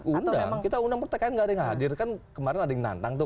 undang kita undang undang tkn nggak ada yang hadir kan kemarin ada yang nantang tuh